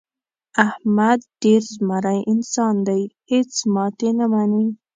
احمد ډېر زمری انسان دی. هېڅ ماتې نه مني.